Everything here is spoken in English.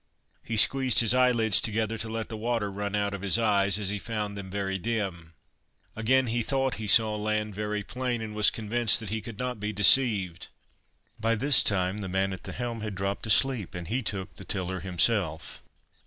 He squeezed his eyelids together to let the water run out of his eyes, as he found them very dim. Again he thought he saw land very plain, and was convinced that he could not be deceived. By this time the man at the helm had dropped asleep, and he took the tiller himself.